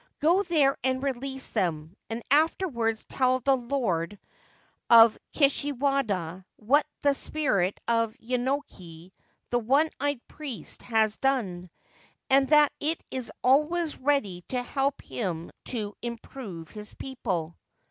Go there and release them, and afterwards tell the Lord of 265 34 Ancient Tales and Folklore of Japan Kishiwada what the spirit of Yenoki, the one eyed priest, has done, and that it is always ready to help him to im prove his people.